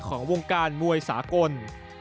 ของวงการมวยสากล